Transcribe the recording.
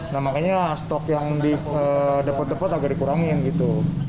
nah makanya stok yang di depot depot agak dikurangin gitu